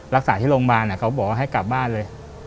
รักษาที่โรงพยาบาลเขาบอกว่าให้กลับบ้านเลย